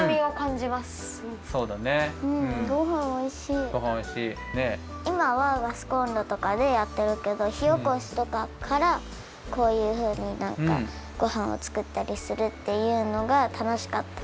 いまはガスコンロとかでやってるけどひおこしとかからこういうふうになんかごはんを作ったりするっていうのが楽しかった。